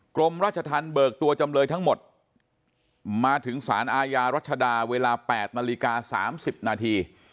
กรมราชธรรมเบิกตัวจำเลยทั้งหมดมาถึงสารอาญารัชดาเวลา๘นาฬิกา๓๐นาที